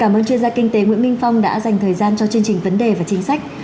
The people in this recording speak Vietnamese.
cảm ơn chuyên gia kinh tế nguyễn minh phong đã dành thời gian cho chương trình vấn đề và chính sách